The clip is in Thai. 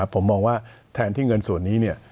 ผมมองว่าแทนที่เงินส่วนนี้